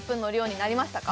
なりました